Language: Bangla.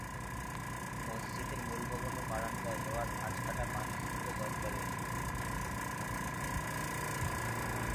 মসজিদের মূল ভবন ও বারান্দায় লোহার খাঁজকাটা পাঁচটি করে দরজা রয়েছে।